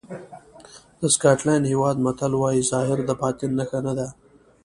د سکاټلېنډ هېواد متل وایي ظاهر د باطن نښه نه ده.